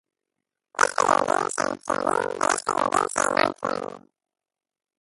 יש פה יהודים שהם ציונים ויש פה יהודים שאינם ציונים